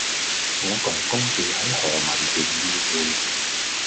我公公住喺何文田懿薈